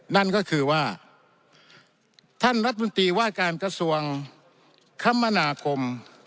นั่นก็คือว่าท่านรัฐมนตรีว่าการกระทรวงคมนาคม